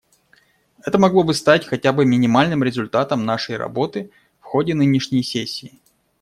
Это могло бы стать хотя бы минимальным результатом нашей работы в ходе нынешней сессии.